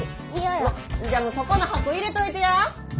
じゃもうそこの箱入れといてや。